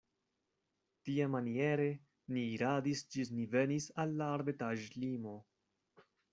Tiamaniere ni iradis ĝis ni venis al la arbetaĵlimo.